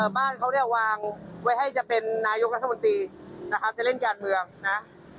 บ้านเขาเนี่ยวางไว้ให้จะเป็นนายกรัฐมนตรีนะครับจะเล่นการเมืองนะ